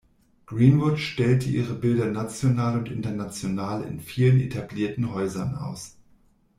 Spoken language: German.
Greenwood stellte ihre Bilder national und international in vielen etablierten Häusern aus.